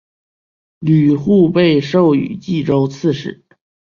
吕护被授予冀州刺史。